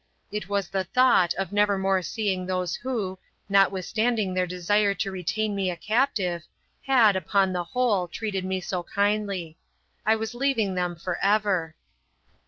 It was the thought of never more seeing those, who, notwithstanding their desire to retain me a captive, had, upon the whole, treated me so kindly. I was leaving them for ever.